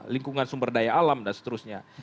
lingkungan sumber daya alam dan seterusnya